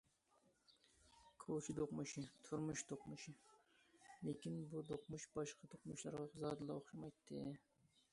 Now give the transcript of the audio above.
كوچا دوقمۇشى، تۇرمۇش دوقمۇشى... لېكىن بۇ دوقمۇش باشقا دوقمۇشلارغا زادىلا ئوخشىمايتتى.